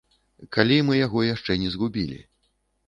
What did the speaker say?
Калі мы яго яшчэ не згубілі.